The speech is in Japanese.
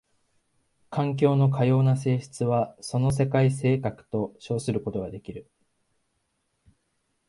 環境のかような性質はその世界性格と称することができる。